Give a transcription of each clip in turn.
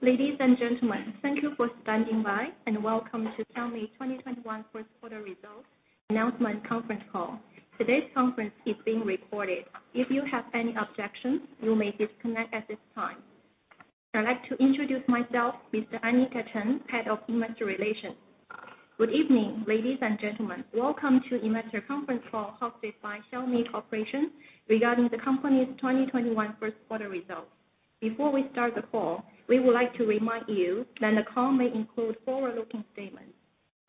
Ladies and gentlemen, thank you for standing by and welcome to Xiaomi 2021 first quarter results announcement conference call. Today's conference is being recorded. If you have any objections, you may disconnect at this time. I'd like to introduce myself, Ms. Anita Chen, Head of Investor Relations. Good evening, ladies and gentlemen. Welcome to Investor Conference Call hosted by Xiaomi Corporation regarding the company's 2021 first quarter results. Before we start the call, we would like to remind you that the call may include forward-looking statements,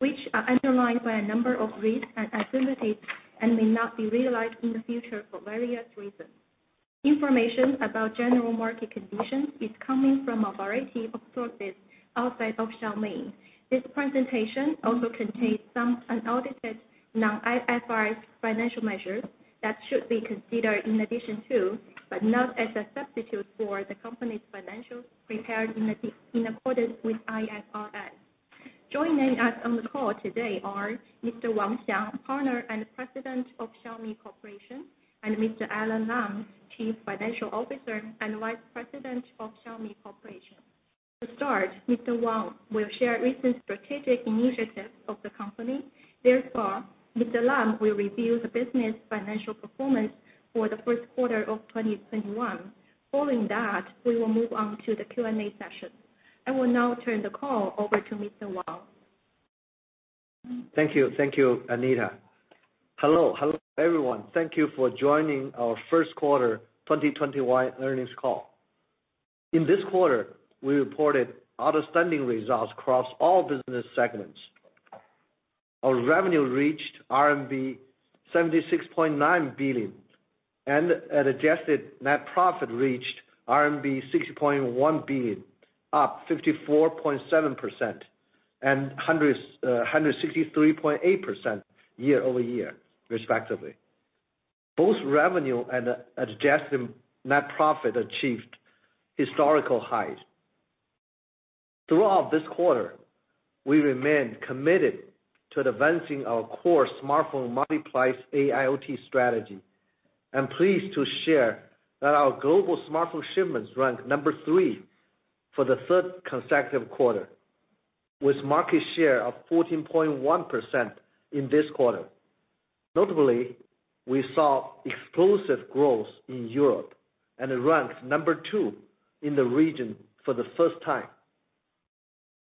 which are underlined by a number of risks and uncertainties and may not be realized in the future for various reasons. Information about general market conditions is coming from a variety of sources outside of Xiaomi. This presentation also contains some unaudited non-IFRS financial measures that should be considered in addition to, but not as a substitute for, the company's financials prepared in accordance with IFRS. Joining us on the call today are Mr. Wang Xiang, founder and president of Xiaomi Corporation, and Mr. Alain Lam, chief financial officer and vice president of Xiaomi Corporation. To start, Mr. Wang will share recent strategic initiatives of the company. Therefore, Mr. Lam will review the business financial performance for the first quarter of 2021. Following that, we will move on to the Q&A session. I will now turn the call over to Mr. Wang. Thank you, Anita. Hello, everyone. Thank you for joining our first quarter 2021 earnings call. In this quarter, we reported outstanding results across all business segments. Our revenue reached RMB 76.9 billion and adjusted net profit reached RMB 6.1 billion, up 54.7% and 163.8% year-over-year, respectively. Both revenue and adjusted net profit achieved historical highs. Throughout this quarter, we remained committed to advancing our core smartphone multiplied AIoT strategy and pleased to share that our global smartphone shipments ranked number three for the third consecutive quarter, with market share of 14.1% in this quarter. Notably, we saw explosive growth in Europe and it ranked number two in the region for the first time.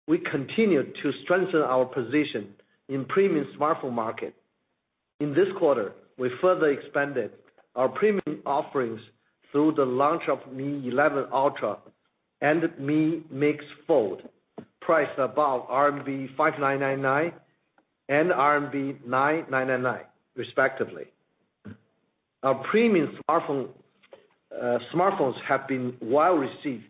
We continued to strengthen our position in premium smartphone market. In this quarter, we further expanded our premium offerings through the launch of Mi 11 Ultra and Mi Mix Fold, priced above RMB 5,999 and RMB 9,999, respectively. Our premium smartphones have been well received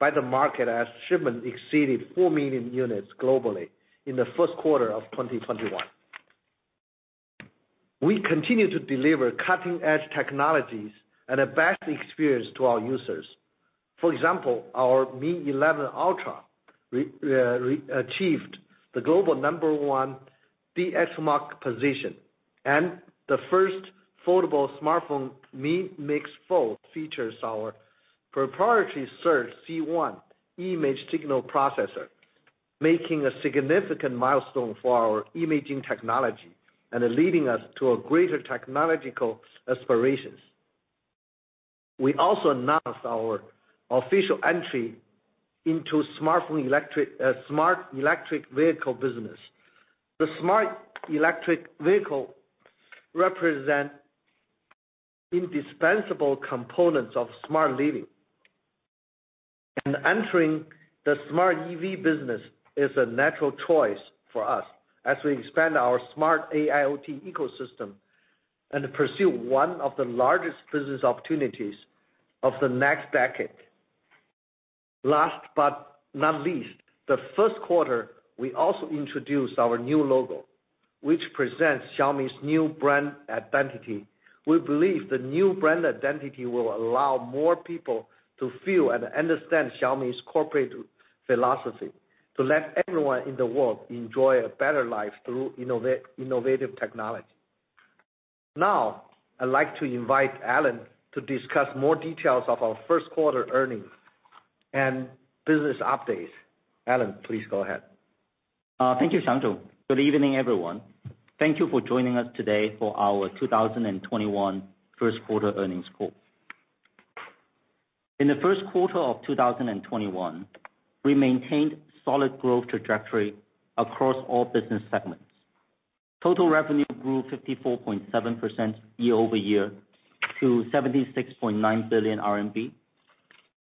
by the market as shipments exceeded 4 million units globally in the first quarter of 2021. We continue to deliver cutting-edge technologies and a best experience to our users. For example, our Mi 11 Ultra achieved the global number one DXOMARK position and the first foldable smartphone, Mi Mix Fold, features our proprietary Surge C1 image signal processor, making a significant milestone for our imaging technology and leading us to greater technological aspirations. We also announced our official entry into smart electric vehicle business. The smart electric vehicle represent indispensable components of smart living. Entering the smart EV business is a natural choice for us as we expand our smart AIoT ecosystem and pursue one of the largest business opportunities of the next decade. Last but not least, the first quarter, we also introduced our new logo, which presents Xiaomi's new brand identity. We believe the new brand identity will allow more people to feel and understand Xiaomi's corporate philosophy to let everyone in the world enjoy a better life through innovative technology. Now, I'd like to invite Alain to discuss more details of our first quarter earnings and business updates. Alain, please go ahead. Thank you, Xiang. Good evening, everyone. Thank you for joining us today for our 2021 first quarter earnings call. In the first quarter of 2021, we maintained solid growth trajectory across all business segments. Total revenue grew 54.7% year-over-year to 76.9 billion RMB,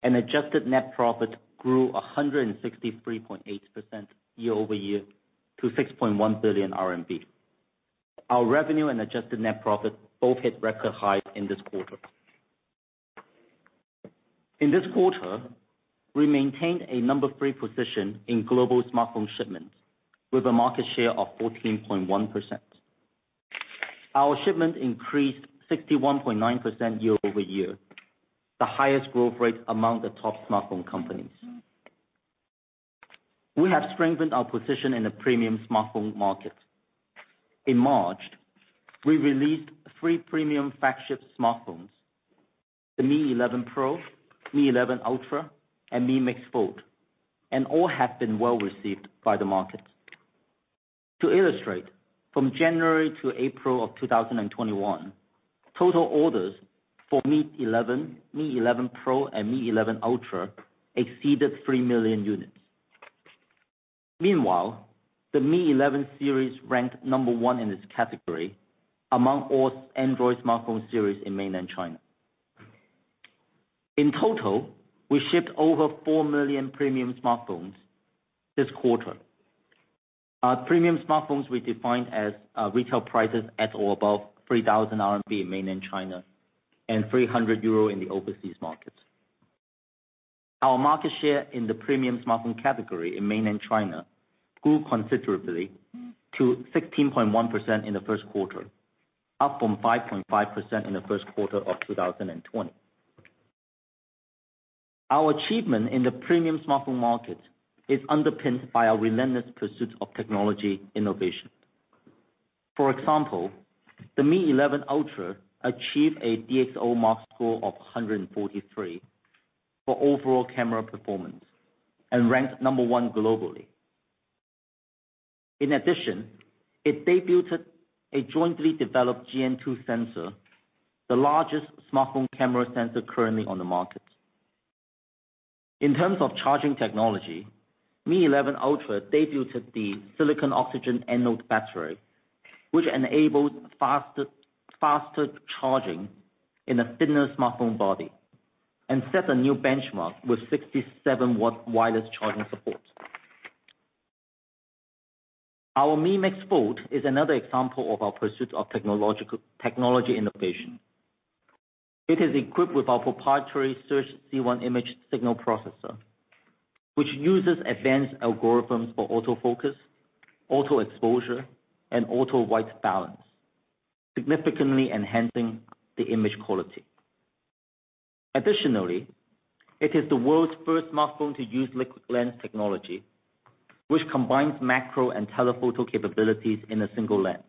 and adjusted net profit grew 163.8% year-over-year to 6.1 billion RMB. Our revenue and adjusted net profit both hit record high in this quarter. In this quarter, we maintained a number three position in global smartphone shipments with a market share of 14.1%. Our shipment increased 51.9% year-over-year, the highest growth rate among the top smartphone companies. We have strengthened our position in the premium smartphone market. In March, we released three premium flagship smartphones, the Mi 11 Pro, Mi 11 Ultra, and Mi Mix Fold, and all have been well-received by the market. To illustrate, from January to April of 2021, total orders for Mi 11, Mi 11 Pro, and Mi 11 Ultra exceeded 3 million units. Meanwhile, the Mi 11 series ranked number one in its category among all Android smartphone series in mainland China. In total, we shipped over 4 million premium smartphones this quarter. Our premium smartphones we define as retail prices at or above 3,000 RMB in mainland China and 300 euro in the overseas markets. Our market share in the premium smartphone category in mainland China grew considerably to 16.1% in the first quarter, up from 5.5% in the first quarter of 2020. Our achievement in the premium smartphone market is underpinned by our relentless pursuit of technology innovation. For example, the Mi 11 Ultra achieved a DXOMARK score of 143 for overall camera performance and ranked number one globally. In addition, it debuted a jointly developed GN2 sensor, the largest smartphone camera sensor currently on the market. In terms of charging technology, Mi 11 Ultra debuted the silicon oxygen anode battery, which enables faster charging in a thinner smartphone body and set a new benchmark with 67-watt wireless charging support. Our Mi Mix Fold is another example of our pursuit of technology innovation. It is equipped with our proprietary Surge C1 image signal processor, which uses advanced algorithms for autofocus, auto exposure, and auto white balance, significantly enhancing the image quality. Additionally, it is the world's first smartphone to use liquid lens technology, which combines macro and telephoto capabilities in a single lens.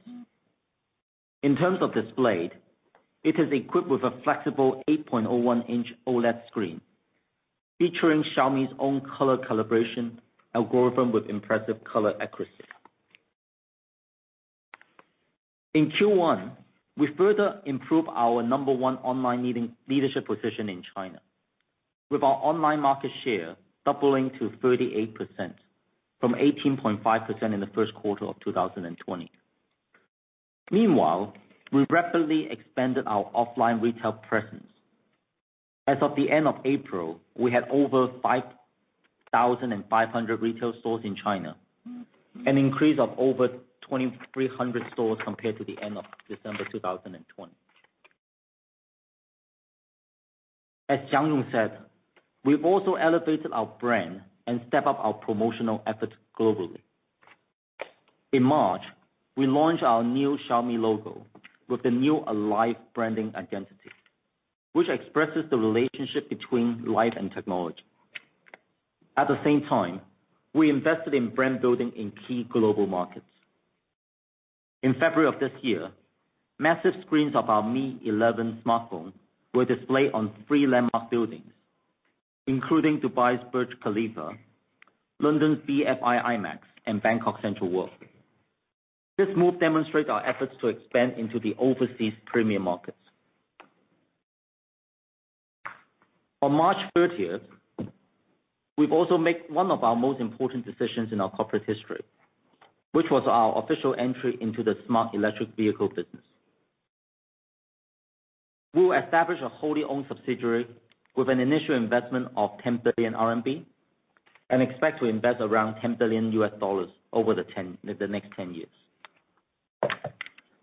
In terms of display, it is equipped with a flexible 8.01-inch OLED screen, featuring Xiaomi's own color calibration algorithm with impressive color accuracy. In Q1, we further improved our number one online leadership position in China, with our online market share doubling to 38% from 18.5% in the first quarter of 2020. Meanwhile, we rapidly expanded our offline retail presence. As of the end of April, we had over 5,500 retail stores in China, an increase of over 2,300 stores compared to the end of December 2020. As Wang Xiang said, we've also elevated our brand and stepped up our promotional efforts globally. In March, we launched our new Xiaomi logo with the new Alive branding identity, which expresses the relationship between light and technology. At the same time, we invested in brand building in key global markets. In February of this year, massive screens of our Mi 11 smartphone were displayed on three landmark buildings, including Dubai's Burj Khalifa, London's BFI IMAX, and Bangkok's CentralWorld. This move demonstrates our efforts to expand into the overseas premium markets. On March 30th, we'll also made one of our most important decisions in our corporate history, which was our official entry into the smart electric vehicle business. We'll establish a wholly-owned subsidiary with an initial investment of 10 billion RMB and expect to invest around $10 billion over the next 10 years.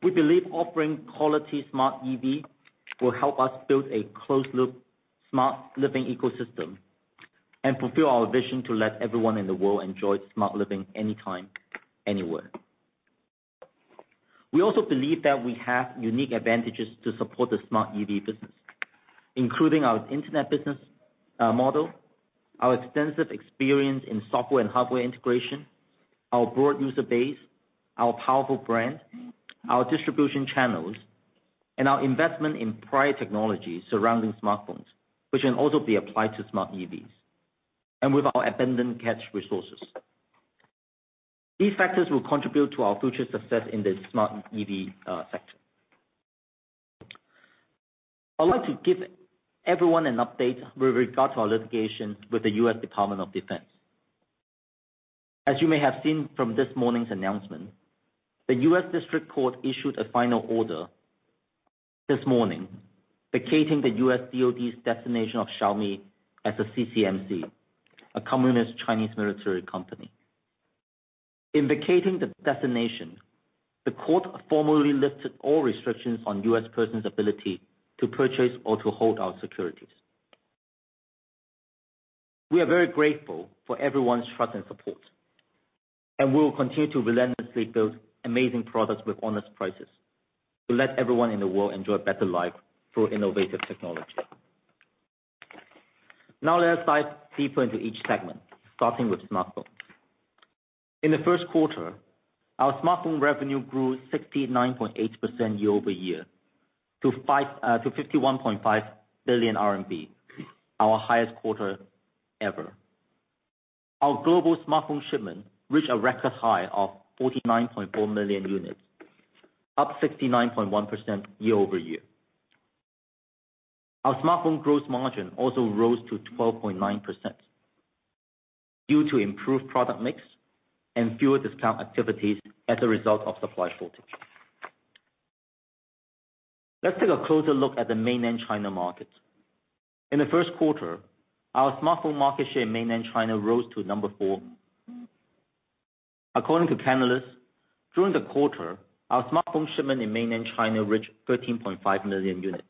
We believe offering quality smart EV will help us build a closed-loop smart living ecosystem and fulfill our vision to let everyone in the world enjoy smart living anytime, anywhere. We also believe that we have unique advantages to support the smart EV business, including our internet business model, our extensive experience in software and hardware integration, our broad user base, our powerful brand, our distribution channels, and our investment in prior technology surrounding smartphones, which can also be applied to smart EVs, and with our abundant cash resources. These factors will contribute to our future success in the smart EV sector. I would like to give everyone an update with regard to our litigation with the U.S. Department of Defense. As you may have seen from this morning's announcement, the U.S. District Court issued a final order this morning vacating the U.S. DoD's designation of Xiaomi as a CCMC, a Communist Chinese Military Company. In vacating the designation, the court formally lifted all restrictions on U.S. persons' ability to purchase or to hold our securities. We are very grateful for everyone's trust and support, and we will continue to relentlessly build amazing products with honest prices to let everyone in the world enjoy a better life through innovative technology. Let's dive deeper into each segment, starting with smartphone. In the first quarter, our smartphone revenue grew 69.8% year-over-year to 51.5 billion RMB, our highest quarter ever. Our global smartphone shipment reached a record high of 49.4 million units, up 69.1% year-over-year. Our smartphone gross margin also rose to 12.9%, due to improved product mix and fewer discount activities as a result of supply shortage. Let's take a closer look at the Mainland China market. In the first quarter, our smartphone market share in Mainland China rose to number 4. According to Canalys, during the quarter, our smartphone shipment in Mainland China reached 13.5 million units,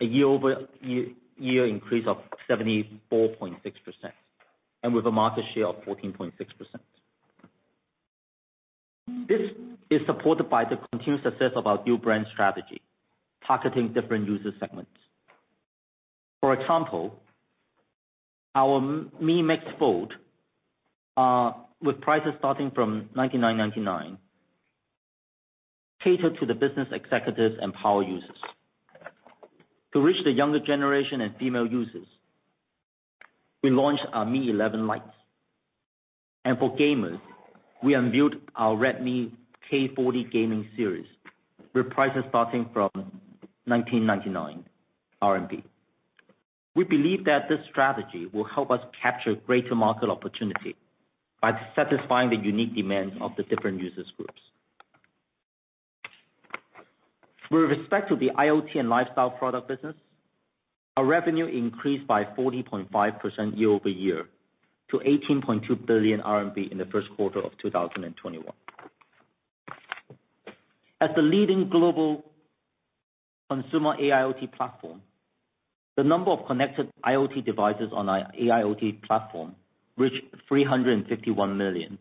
a year-over-year increase of 74.6%, and with a market share of 14.6%. This is supported by the continued success of our dual-brand strategy, targeting different user segments. For example, our Mi Mix Fold, with prices starting from 9,999, catered to the business executives and power users. To reach the younger generation and female users, we launched our Mi 11 Lite. For gamers, we unveiled our Redmi K40 gaming series with prices starting from 1,999 RMB. We believe that this strategy will help us capture greater market opportunity by satisfying the unique demands of the different user groups. With respect to the IoT and lifestyle product business, our revenue increased by 40.5% year-over-year to 18.2 billion RMB in the first quarter of 2021. As a leading global consumer IoT platform, the number of connected IoT devices on our IoT platform reached 351 million,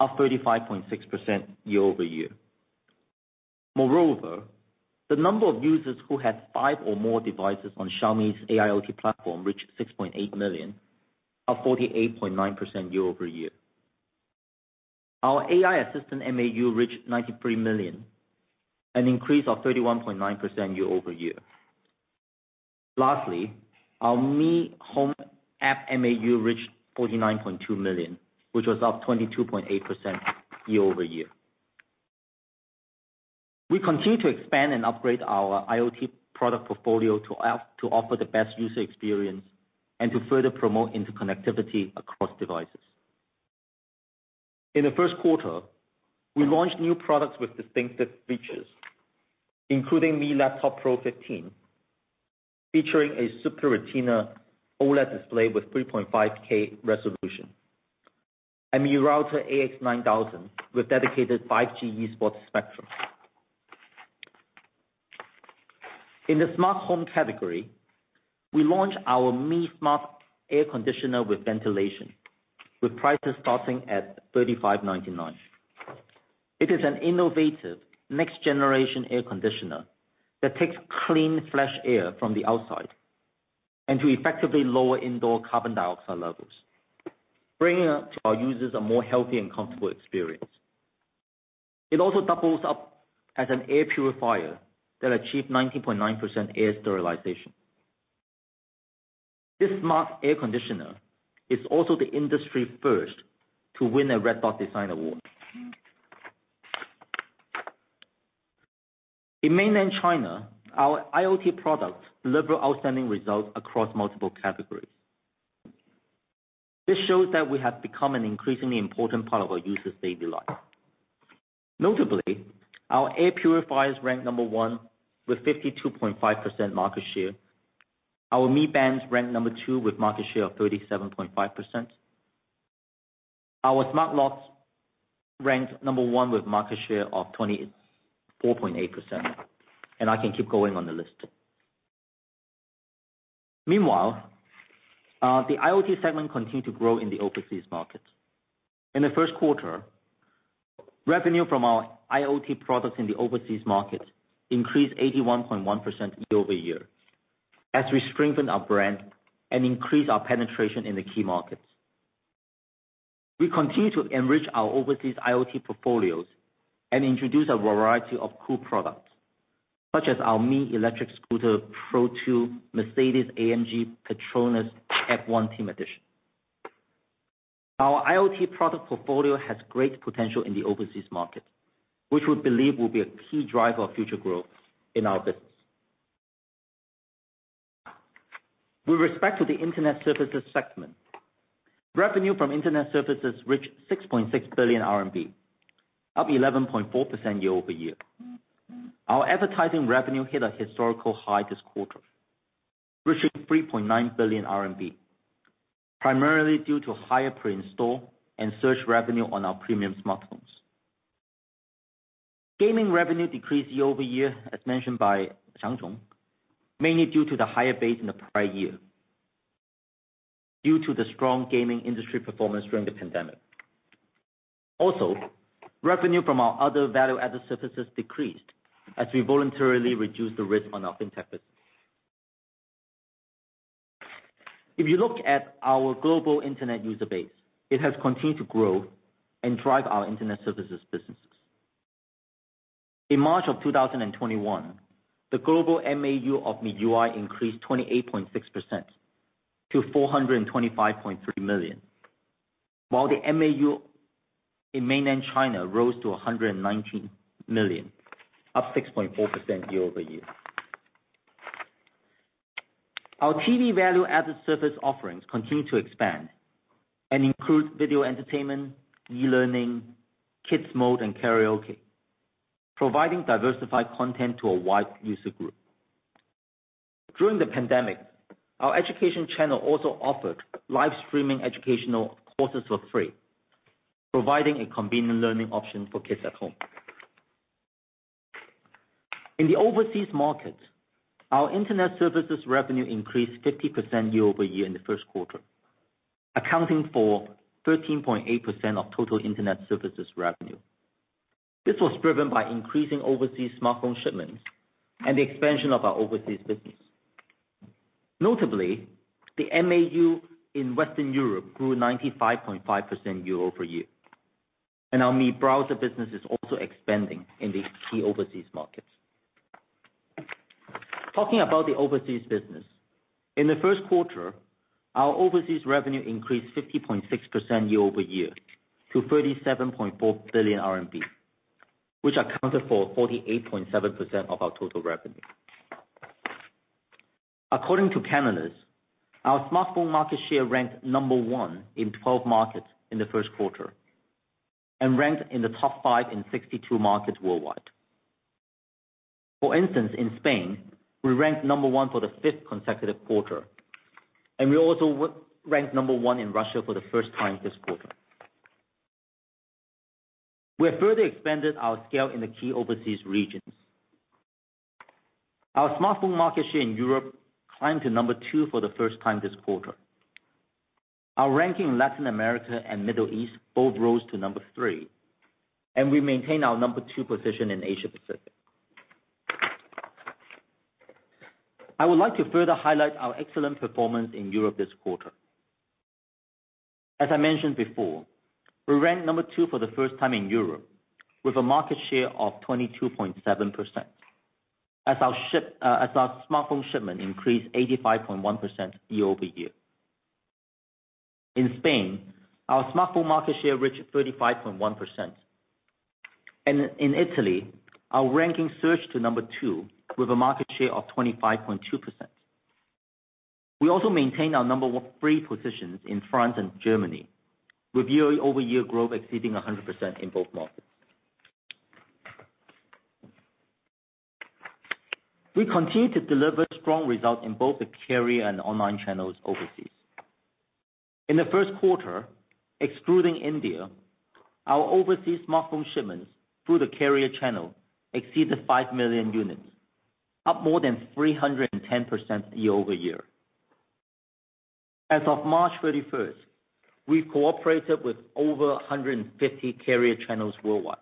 up 35.6% year-over-year. Moreover, the number of users who have five or more devices on Xiaomi's IoT platform reached 6.8 million, up 48.9% year-over-year. Our AI assistant MAU reached 93 million, an increase of 31.9% year-over-year. Lastly, our Mi Home app MAU reached 49.2 million, which was up 22.8% year-over-year. We continue to expand and upgrade our IoT product portfolio to offer the best user experience and to further promote interconnectivity across devices. In the first quarter, we launched new products with distinctive features, including Mi Notebook Pro 15, featuring a super retina OLED display with 3.5K resolution, and Mi Router AX9000 with dedicated 5G spectrum. In the smart home category, we launched our Mi Smart Air Conditioner with ventilation, with prices starting at RMB 3,599. It is an innovative next-generation air conditioner that takes clean, fresh air from the outside and to effectively lower indoor carbon dioxide levels, bringing our users a more healthy and comfortable experience. It also doubles up as an air purifier that achieve 90.9% air sterilization. This smart air conditioner is also the industry's first to win a Red Dot Design Award. In mainland China, our IoT products deliver outstanding results across multiple categories. This shows that we have become an increasingly important part of our users' daily life. Notably, our air purifiers ranked number one with 52.5% market share. Our Mi Bands ranked number two with market share of 37.5%. Our smart locks ranked number one with market share of 24.8%, and I can keep going on the list. Meanwhile, the IoT segment continued to grow in the overseas market. In the first quarter, revenue from our IoT products in the overseas market increased 81.1% year-over-year, as we strengthen our brand and increase our penetration in the key markets. We continue to enrich our overseas IoT portfolios and introduce a variety of cool products, such as our Mi Electric Scooter Pro 2 Mercedes-AMG Petronas F1 Team Edition. Our IoT product portfolio has great potential in the overseas market, which we believe will be a key driver of future growth in our business. With respect to the internet services segment, revenue from internet services reached 6.6 billion RMB, up 11.4% year-over-year. Our advertising revenue hit a historical high this quarter, reaching 3.9 billion RMB, primarily due to higher pre-install and search revenue on our premium smartphones. Gaming revenue decreased year-over-year, as mentioned by Wang Xiang, mainly due to the higher base in the prior year. Due to the strong gaming industry performance during the pandemic. Also, revenue from our other value-added services decreased as we voluntarily reduced the risk on our FinTech business. If you look at our global internet user base, it has continued to grow and drive our internet services businesses. In March of 2021, the global MAU of MIUI increased 28.6% to 425.3 million, while the MAU in mainland China rose to 119 million, up 6.4% year-over-year. Our TV value-added service offerings continue to expand and includes video entertainment, e-learning, kids mode, and karaoke, providing diversified content to a wide user group. During the pandemic, our education channel also offered live-streaming educational courses for free, providing a convenient learning option for kids at home. In the overseas market, our internet services revenue increased 50% year-over-year in the first quarter, accounting for 13.8% of total internet services revenue. This was driven by increasing overseas smartphone shipments and the expansion of our overseas business. Notably, the MAU in Western Europe grew 95.5% year-over-year, and our Mi Browser business is also expanding in these key overseas markets. Talking about the overseas business, in the first quarter, our overseas revenue increased 50.6% year-over-year to RMB 37.4 billion, which accounted for 48.7% of our total revenue. According to Canalys, our smartphone market share ranked number 1 in 12 markets in the first quarter and ranked in the top five in 62 markets worldwide. For instance, in Spain, we ranked number one for the fifth consecutive quarter, and we also ranked number one in Russia for the first time this quarter. We have further expanded our scale in the key overseas regions. Our smartphone market share in Europe climbed to number two for the first time this quarter. Our ranking in Latin America and Middle East both rose to number three, and we maintained our number two position in Asia-Pacific. I would like to further highlight our excellent performance in Europe this quarter. As I mentioned before, we ranked number two for the first time in Europe with a market share of 22.7%, as our smartphone shipment increased 85.1% year-over-year. In Spain, our smartphone market share reached 35.1%. In Italy, our ranking surged to number two with a market share of 25.2%. We also maintained our number three positions in France and Germany, with year-over-year growth exceeding 100% in both markets. We continued to deliver strong results in both the carrier and online channels overseas. In the first quarter, excluding India, our overseas smartphone shipments through the carrier channel exceeded 5 million units, up more than 310% year-over-year. As of March 31st, we cooperated with over 150 carrier channels worldwide.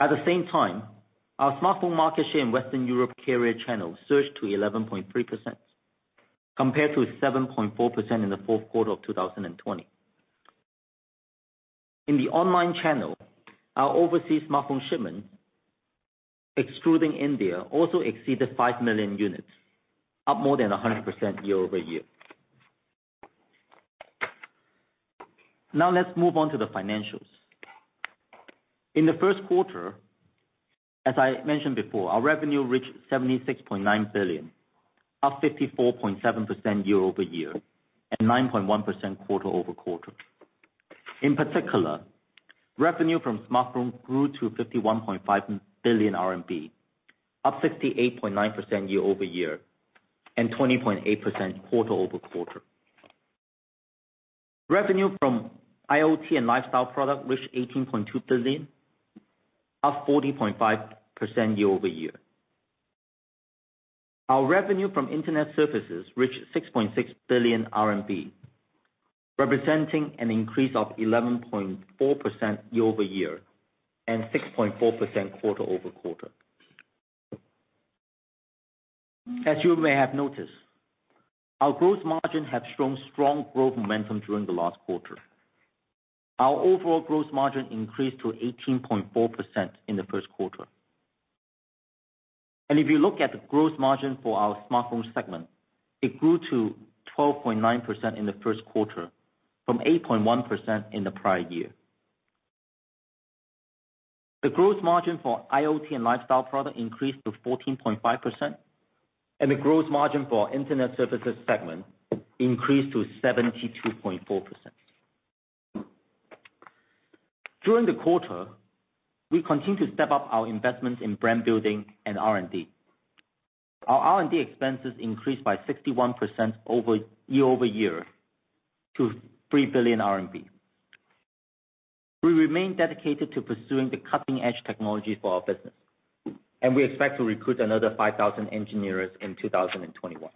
At the same time, our smartphone market share in Western Europe carrier channel surged to 11.3%, compared to 7.4% in the fourth quarter of 2020. In the online channel, our overseas smartphone shipments, excluding India, also exceeded 5 million units, up more than 100% year-over-year. Let's move on to the financials. In the first quarter, as I mentioned before, our revenue reached 76.9 billion, up 54.7% year-over-year and 9.1% quarter-over-quarter. In particular, revenue from smartphone grew to RMB 51.5 billion, up 58.9% year-over-year and 20.8% quarter-over-quarter. Revenue from IoT and lifestyle product reached 18.2 billion, up 40.5% year-over-year. Our revenue from internet services reached 6.6 billion RMB, representing an increase of 11.4% year-over-year and 6.4% quarter-over-quarter. As you may have noticed, our gross margin have shown strong growth momentum during the last quarter. Our overall gross margin increased to 18.4% in the first quarter. If you look at the gross margin for our smartphone segment, it grew to 12.9% in the first quarter from 8.1% in the prior year. The gross margin for IoT and lifestyle product increased to 14.5%, and the gross margin for our internet services segment increased to 72.4%. During the quarter, we continued to step up our investments in brand building and R&D. Our R&D expenses increased by 61% year-over-year to 3 billion RMB. We remain dedicated to pursuing the cutting-edge technology for our business, and we expect to recruit another 5,000 engineers in 2021.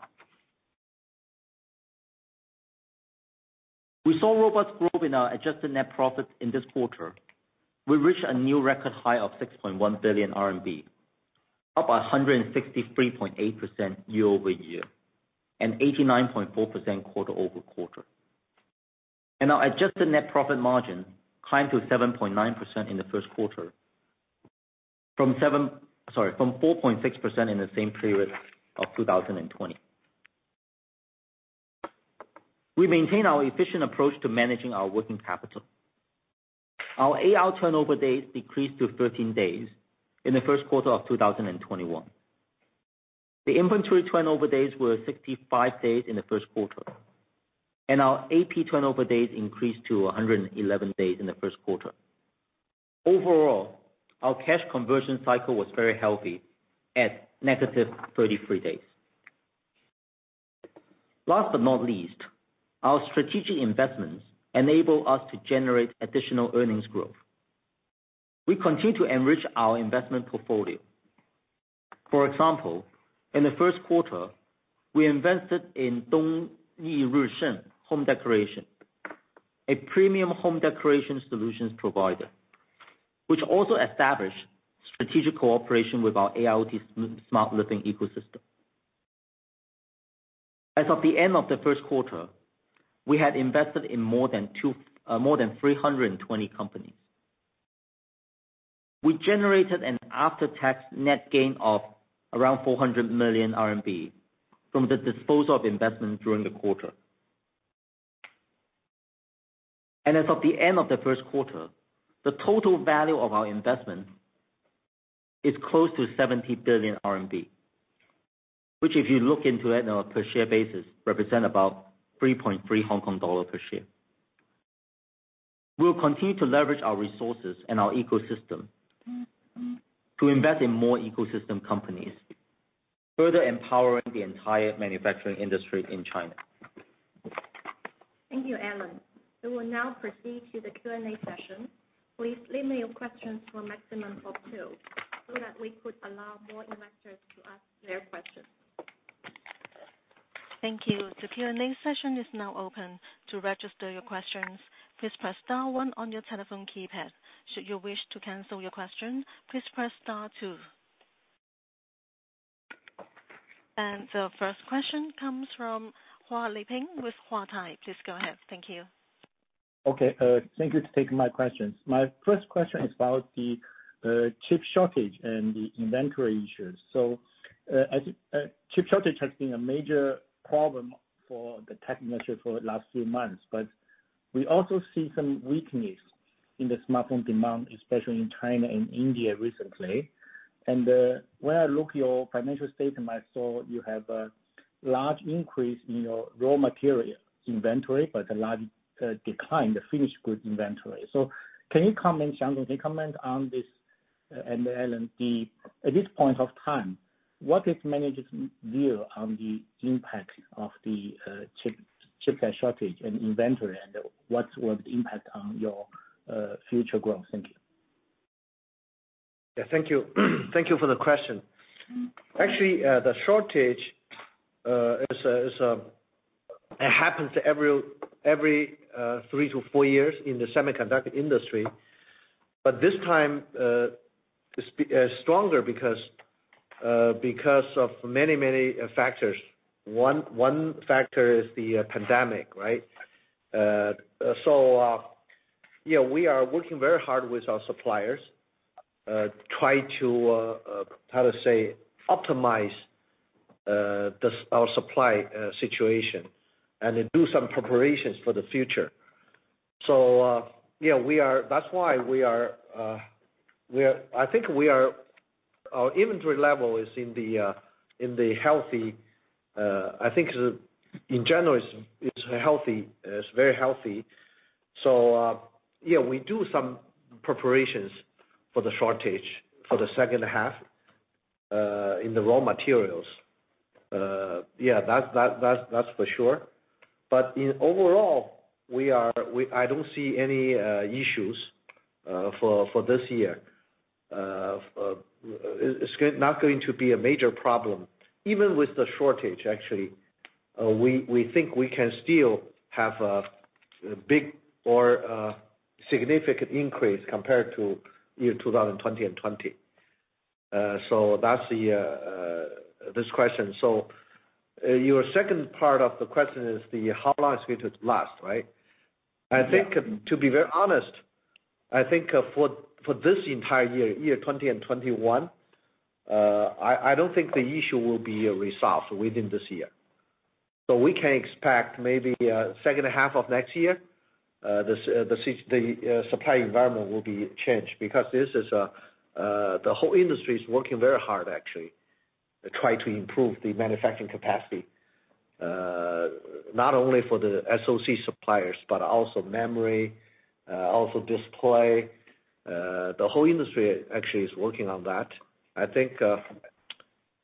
We saw robust growth in our adjusted net profits in this quarter. We reached a new record high of 6.1 billion RMB, up 163.8% year-over-year, 89.4% quarter-over-quarter. Our adjusted net profit margin climbed to 7.9% in the first quarter from 4.6% in the same period of 2020. We maintain our efficient approach to managing our working capital. Our AR turnover days decreased to 13 days in the first quarter of 2021. The inventory turnover days were 65 days in the first quarter, and our AP turnover days increased to 111 days in the first quarter. Overall, our cash conversion cycle was very healthy at -33 days. Last but not least, our strategic investments enable us to generate additional earnings growth. We continue to enrich our investment portfolio. For example, in the first quarter, we invested in Dongyi Risheng Home Decoration, a premium home decoration solutions provider, which also established strategic cooperation with our IoT Smart Living ecosystem. As of the end of the first quarter, we had invested in more than 320 companies. We generated an after-tax net gain of around 400 million RMB from the disposal of investments during the quarter. As of the end of the first quarter, the total value of our investment is close to 70 billion RMB, which if you look into it on a per share basis, represent about 3.3 Hong Kong dollar per share. We'll continue to leverage our resources and our ecosystem to invest in more ecosystem companies, further empowering the entire manufacturing industry in China. Thank you, Alain Lam. We will now proceed to the Q&A session. Please limit your questions to a maximum of two so that we could allow more investors to ask their questions. Thank you. The Q&A session is now open. To register your questions, please press star one on your telephone keypad. Should you wish to cancel your question, please press star two. The first question comes from Leping Huang with Huatai Securities. Please go ahead. Thank you. Okay. Thank you for taking my questions. My first question is about the chip shortage and the inventory issues. Chip shortage has been a major problem for the tech industry for the last few months, but we also see some weakness in the smartphone demand, especially in China and India recently. When I look your financial statement, I saw you have a large increase in your raw material inventory, but a large decline in the finished goods inventory. Can you comment, Xiaomi, comment on this, and Alain Lam, at this point of time, what is management's view on the impact of the chip shortage and inventory, and what's the impact on your future growth? Thank you. Thank you for the question. Actually, the shortage, it happens every three to four years in the semiconductor industry. This time it's stronger because of many factors. One factor is the pandemic, right? We are working very hard with our suppliers, try to, how to say, optimize our supply situation and do some preparations for the future. That's why our inventory level, I think in general, it's very healthy. We do some preparations for the shortage for the second half in the raw materials. Yeah, that's for sure. Overall, I don't see any issues for this year. It's not going to be a major problem. Even with the shortage, actually, we think we can still have a big or a significant increase compared to year 2020. That's this question. Your second part of the question is how long is it last, right? I think to be very honest, I think for this entire year, 2021, I don't think the issue will be resolved within this year. We can expect maybe second half of next year, the supply environment will be changed because the whole industry is working very hard, actually, to try to improve the manufacturing capacity. Not only for the SoC suppliers, but also memory, also display. The whole industry actually is working on that.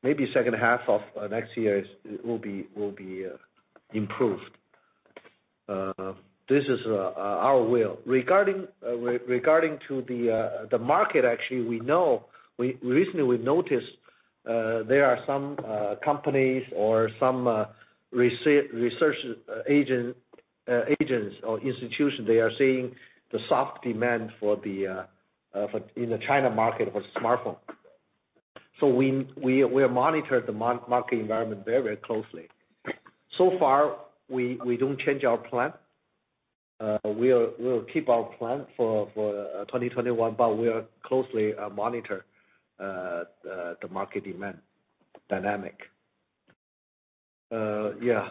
Maybe second half of next year it will be improved. This is our will. Regarding to the market, actually, we know recently we've noticed there are some companies or some research agents or institutions, they are seeing the soft demand in the China market for smartphone. We monitor the market environment very closely. So far, we don't change our plan. We'll keep our plan for 2021, but we are closely monitor the market demand dynamic. I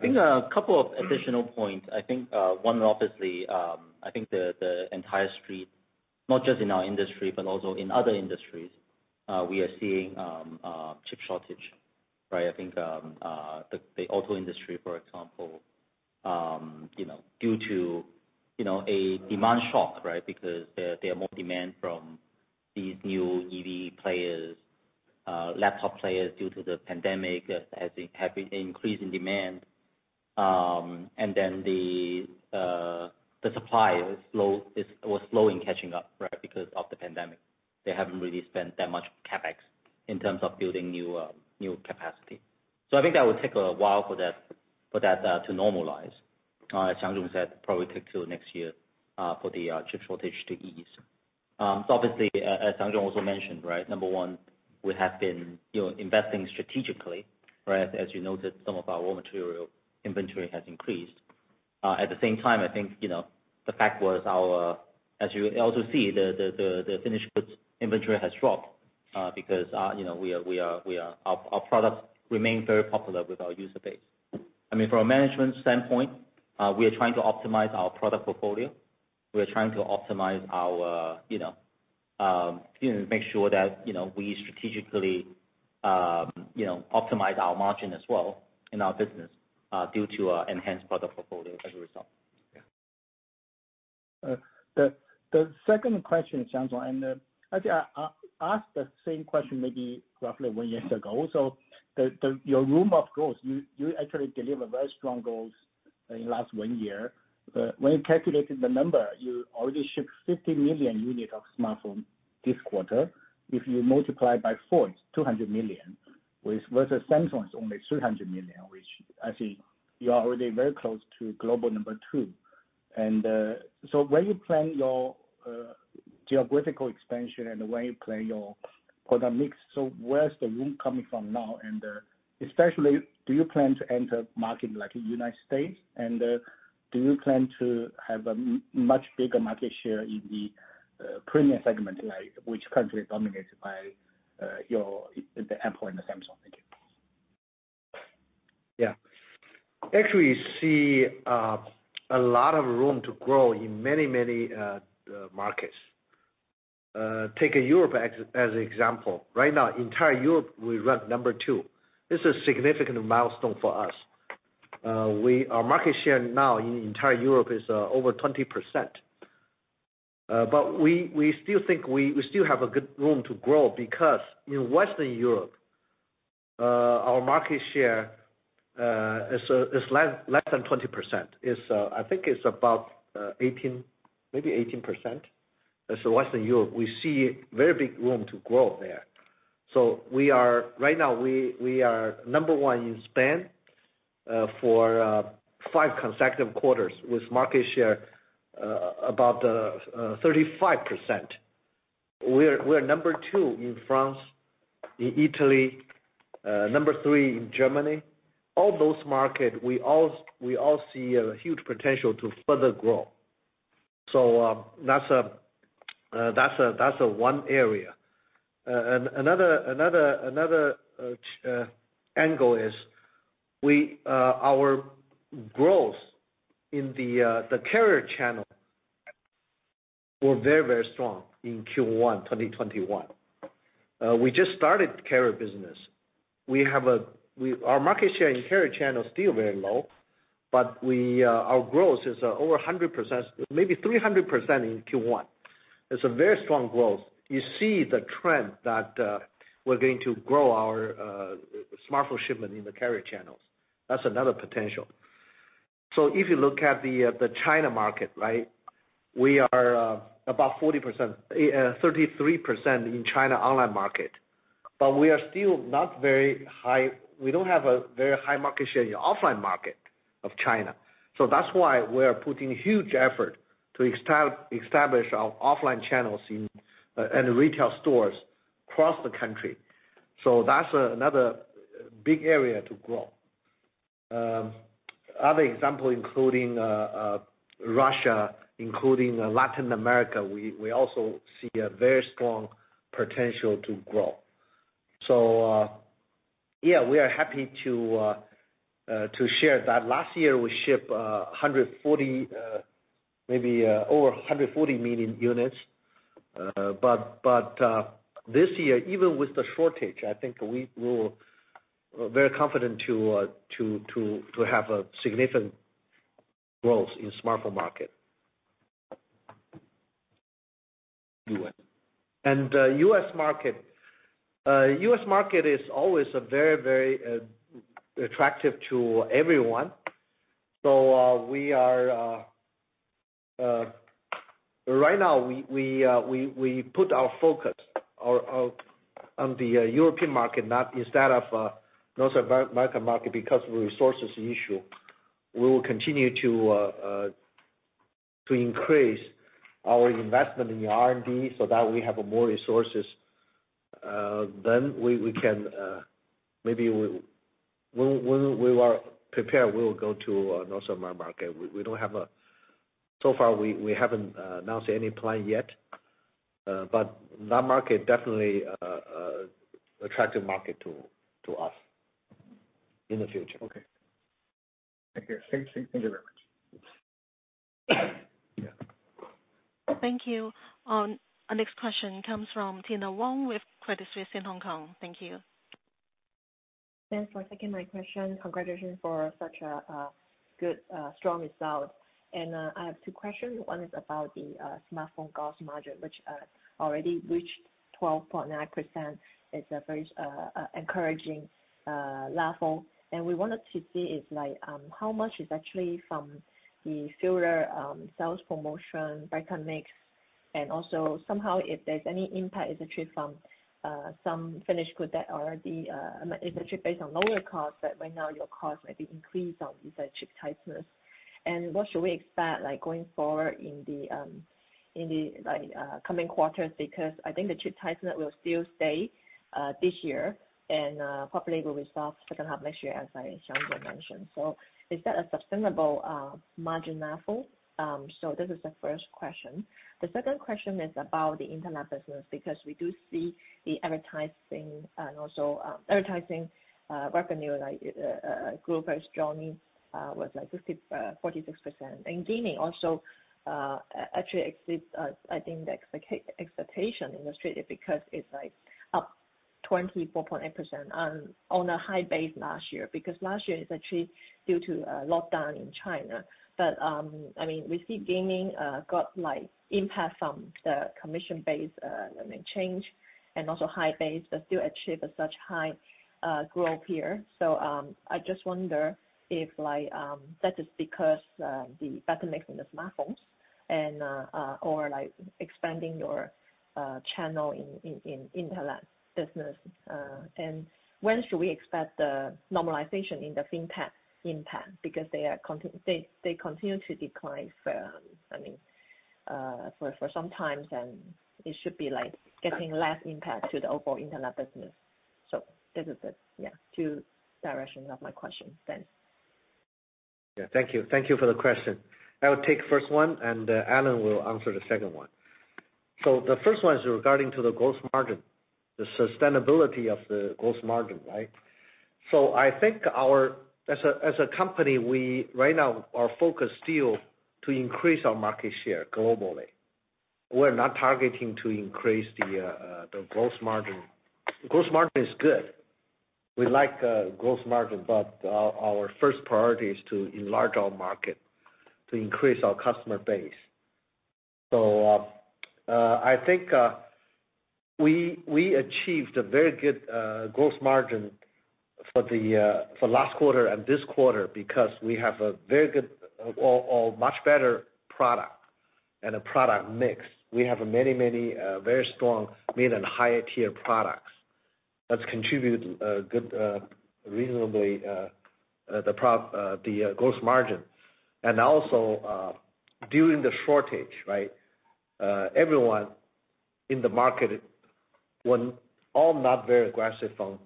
think a couple of additional points. One, obviously, I think the entire street, not just in our industry, but also in other industries, we are seeing chip shortage, right? The auto industry, for example, due to a demand shock, right? There are more demand from these new EV players, laptop players due to the pandemic have been increasing demand. The supply was slow in catching up, right, because of the pandemic. They haven't really spent that much CapEx in terms of building new capacity. I think that would take a while for that to normalize. As Wang Xiang said, probably could till next year, for the chip shortage to ease. Obviously, as Wang Xiang also mentioned, right, number one, we have been investing strategically, right? As you noted, some of our raw material inventory has increased. At the same time, I think, the fact was our, as you'll also see, the finished goods inventory has dropped, because our products remain very popular with our user base. I mean, from a management standpoint, we are trying to optimize our product portfolio. We are trying to make sure that we strategically optimize our margin as well in our business, due to our enhanced product portfolio as a result. Yeah. The second question, Wang Xiang, I think I asked the same question maybe roughly one years ago. Your room of growth, you actually deliver very strong growth in last one year. When you calculated the number, you already shipped 50 million unit of smartphone this quarter. If you multiply by four, it's 200 million, whereas Samsung's only 200 million, which I think you are already very close to global number two. Where you plan your geographical expansion and where you plan your product mix? Where's the room coming from now, and especially, do you plan to enter market like United States, and do you plan to have a much bigger market share in the premium segment, like which country is dominated by your Apple and Samsung? Yeah. Actually, we see a lot of room to grow in many, many markets. Take Europe as an example. Right now, entire Europe, we rank number two. This is significant milestone for us. Our market share now in entire Europe is over 20%. We still think we still have a good room to grow because in Western Europe, our market share is less than 20%. I think it's about maybe 18%. Western Europe, we see very big room to grow there. Right now, we are number one in Spain for five consecutive quarters with market share about 35%. We are number two in France, in Italy, number three in Germany. All those market, we all see a huge potential to further grow. That's one area. Another angle is our growth in the carrier channel was very, very strong in Q1 2021. We just started carrier business. Our market share in carrier channel is still very low, but our growth is over 100%, maybe 300% in Q1. It's a very strong growth. You see the trend that we're going to grow our smartphone shipment in the carrier channels. That's another potential. If you look at the China market, right? We are about 33% in China online market, but we are still not very high. We don't have a very high market share in the offline market of China. That's why we are putting huge effort to establish our offline channels in retail stores across the country. That's another big area to grow. Other example, including Russia, including Latin America. We also see a very strong potential to grow. Yeah, we are happy to share that. Last year we ship maybe over 140 million units. This year, even with the shortage, I think we're very confident to have a significant growth in the smartphone market. U.S. U.S. market is always very attractive to everyone. Right now, we put our focus on the European market now instead of North American market because of resources issue. We will continue to increase our investment in R&D so that we have more resources. When we are prepared, we'll go to North American market. So far, we haven't announced any plan yet, but that market definitely attractive market to us in the future. Okay. Thank you very much. Thank you. Our next question comes from Tina Wong with Credit Suisse in Hong Kong. Thank you. Thanks for taking my question. Congratulations for such a good, strong result. I have two questions. One is about the smartphone gross margin, which already reached 12.9%, is a very encouraging level. We wanted to see is how much is actually from the serial sales promotion better mix, and also somehow if there's any impact actually from some finished good that already, actually based on lower cost, but right now your cost maybe increase on the chip tightness. What should we expect going forward in the coming quarters? I think the chip tightness will still stay this year, and probably will resolve second half next year, as Wang Xiang mentioned. Is that a sustainable margin level? This is the first question. The second question is about the internet business, because we do see the advertising revenue grew very strongly, was at 46%. Gaming also actually exceeds I think the expectation in the street because it's up 24.8% on a high base last year. Last year is actually due to lockdown in China. We see gaming got impact from the commission base change and also high base, but still achieved such high growth here. I just wonder if that is because the better mix in the smartphones and/or expanding your channel in internet business. When should we expect the normalization in the FinTech impact? They continue to decline for some time, and it should be getting less impact to the overall internet business. This is it, yeah. Two directions of my question. Thanks. Yeah, thank you for the question. I'll take first one. Alain Lam will answer the second one. The first one is regarding to the gross margin, the sustainability of the gross margin, right. I think as a company, right now our focus still to increase our market share globally. We're not targeting to increase the gross margin. Gross margin is good. We like gross margin. Our first priority is to enlarge our market, to increase our customer base. I think we achieved a very good gross margin for last quarter and this quarter because we have a much better product and a product mix. We have many very strong mid and higher tier products that contribute reasonably the gross margin. Also during the shortage, everyone in the market were all not very aggressive on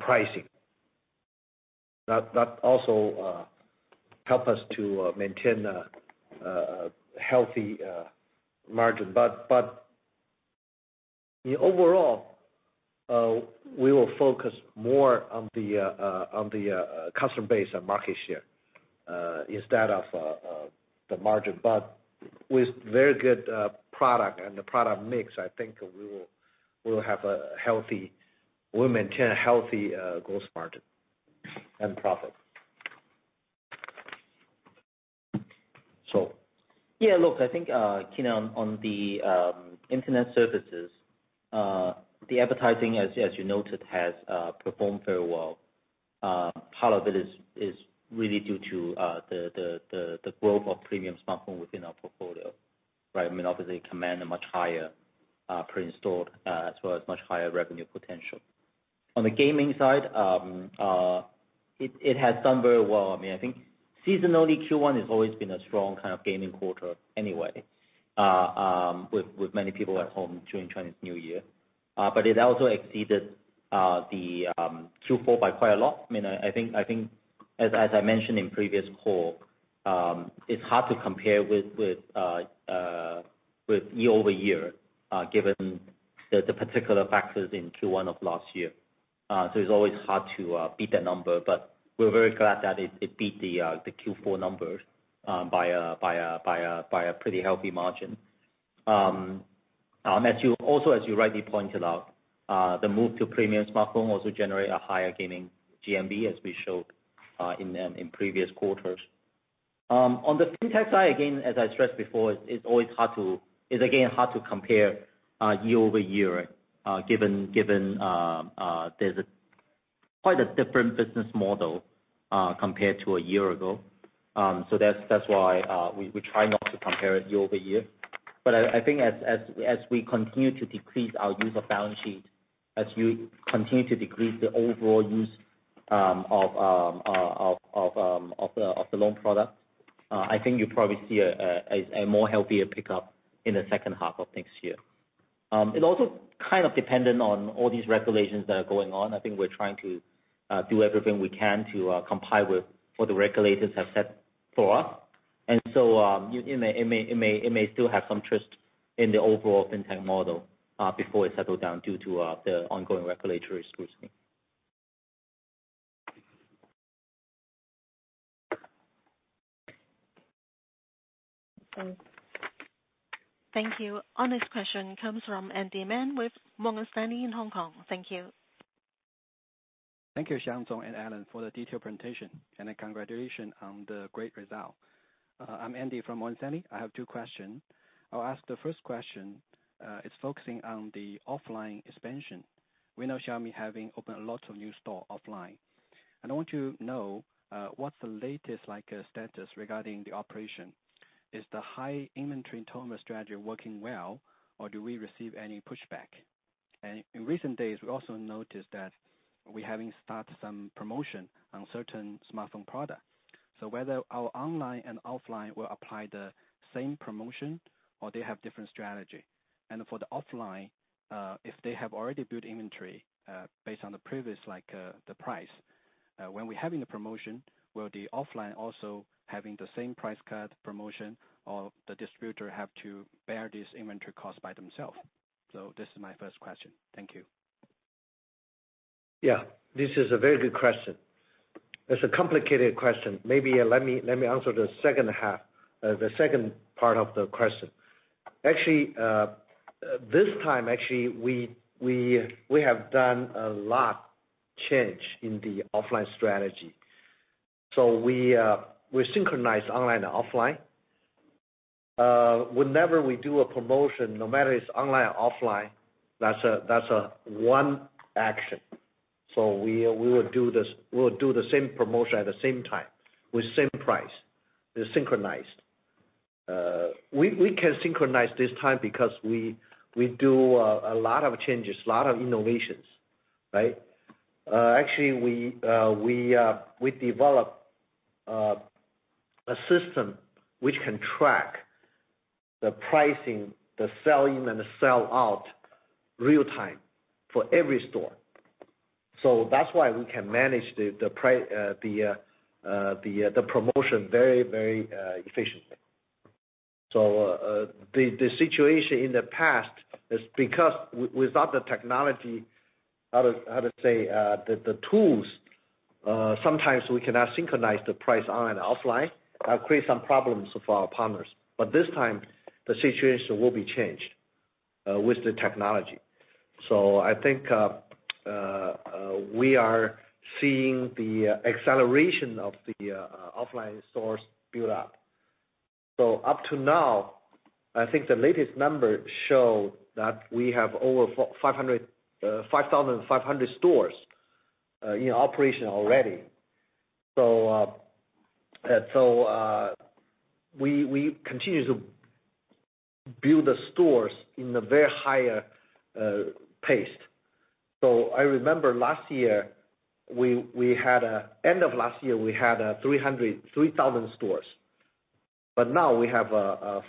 pricing. That also help us to maintain a healthy margin. Overall, we will focus more on the customer base and market share instead of the margin. With very good product and the product mix, I think we'll maintain a healthy gross margin and profit. Yeah, look, I think, Tina, on the internet services, the advertising, as you noted, has performed very well. Part of it is really due to the growth of premium smartphone within our portfolio, right? I mean, obviously command a much higher pre-installed as well as much higher revenue potential. On the gaming side, it has done very well. I think seasonally Q1 has always been a strong kind of gaming quarter anyway with many people at home during Chinese New Year. It also exceeded the Q4 by quite a lot. I think as I mentioned in previous call, it's hard to compare with year-over-year, given the particular factors in Q1 of last year. It's always hard to beat that number, but we're very glad that it beat the Q4 numbers by a pretty healthy margin. Also, as you rightly pointed out, the move to premium smartphone also generated a higher gaming GMV, as we showed in previous quarters. On the FinTech side, again, as I stressed before, it's again hard to compare year-over-year, given there's quite a different business model compared to a year ago. That's why we try not to compare it year-over-year. I think as we continue to decrease our use of balance sheet, as we continue to decrease the overall use of the loan product, I think you'll probably see a healthier pickup in the second half of next year. It also kind of dependent on all these regulations that are going on. I think we're trying to do everything we can to comply with what the regulators have set for us. It may still have some twist in the overall FinTech model before it settle down due to the ongoing regulatory scrutiny. Thank you. Our next question comes from Andy Meng with Morgan Stanley in Hong Kong. Thank you. Thank you, Wang Xiang and Alain Lam, for the detailed presentation, and a congratulations on the great result. I'm Andy Meng from Morgan Stanley. I have two question. I'll ask the first question. It's focusing on the offline expansion. We know Xiaomi having opened lots of new store offline. I want to know what's the latest status regarding the operation. Is the high inventory turnover strategy working well, or do we receive any pushback? In recent days, we also noticed that we having start some promotion on certain smartphone product. Whether our online and offline will apply the same promotion or they have different strategy. For the offline, if they have already built inventory, based on the previous price, when we're having the promotion, will the offline also having the same price cut promotion or the distributor have to bear this inventory cost by themselves? This is my first question. Thank you. Yeah. This is a very good question. It's a complicated question. Maybe let me answer the second part of the question. Actually, this time, actually, we have done a lot change in the offline strategy. We synchronize online and offline. Whenever we do a promotion, no matter it's online or offline, that's one action. We will do the same promotion at the same time, with same price. They're synchronized. We can synchronize this time because we do a lot of changes, a lot of innovations, right? Actually, we develop a system which can track the pricing, the sell and the sell out real-time for every store. That's why we can manage the promotion very efficiently. The situation in the past is because, without the technology, how to say? The tools, sometimes we cannot synchronize the price online and offline, create some problems with our partners. This time, the situation will be changed with the technology. I think we are seeing the acceleration of the offline stores build up. Up to now, I think the latest number show that we have over 5,500 stores in operation already. We continue to build the stores in a very higher pace. I remember last year, end of last year, we had 3,000 stores, but now we have